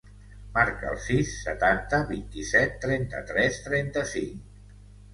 Marca el sis, setanta, vint-i-set, trenta-tres, trenta-cinc.